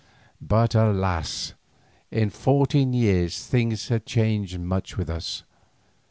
But alas! in fourteen years things had changed much with us.